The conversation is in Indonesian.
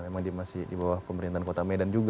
memang dia masih di bawah pemerintahan kota medan juga